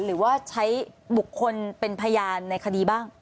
หรือว่าใช้บุคคลเป็นพยานในคดีบ้าง